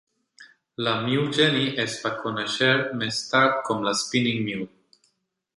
La "mule-jenny" es va conèixer més tard com la "spinning mule".